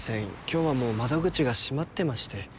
今日はもう窓口が閉まってまして。